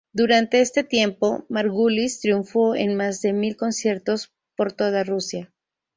Durante este tiempo, Margulis triunfó en más de mil conciertos por toda Rusia.